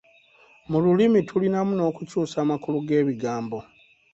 Mu lulimi tulinamu n’okukyusa amakulu g’ebigambo.